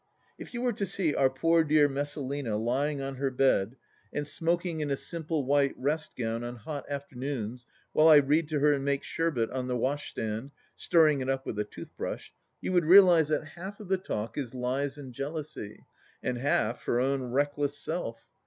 If you were to see our poor dear Messalina lying on her bed, and smoking in a simple white rest gown on hot after noons, while I read to her and make sherbet on the wash stand, stirring it up with a tooth brush, you would realize that half of the talk is lies and jealousy, and half her own reckless self.